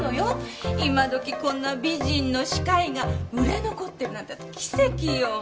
今時こんな美人の歯科医が売れ残ってるなんて奇跡よ！